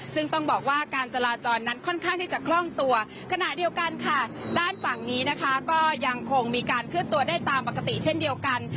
ซึ่งต้องบอกว่าการจราจรนั้นค่อนข้างที่จะคล่องตัวขณะเดียวกันค่ะด้านฝั่งนี้นะคะก็ยังคงมีการเคลื่อนตัวได้ตามปกติเช่นเดียวกัน